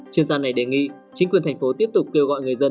chuyên gia này đề nghị chính quyền thành phố tiếp tục kêu gọi người dân